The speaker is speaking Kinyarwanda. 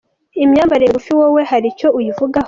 Imyambarire migufi wowe hari icyo uyivugaho?.